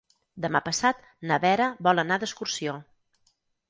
Demà passat na Vera vol anar d'excursió.